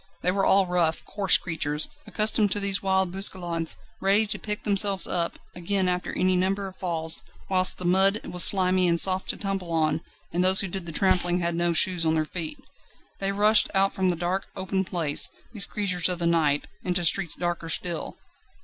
They were all rough, coarse creatures, accustomed to these wild bousculades, ready to pick themselves up, again after any number of falls; whilst the mud was slimy and soft to tumble on, and those who did the trampling had no shoes on their feet. They rushed out from the dark, open place, these creatures of the night, into streets darker still.